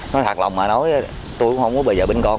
nó hài lòng mà nói tôi cũng không có bây giờ bên con